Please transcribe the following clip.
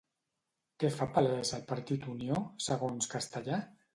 Què fa palès el partit Unió, segons Castellà?